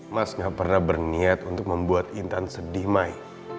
mas gak pernah berniat untuk membuat intan sedih mai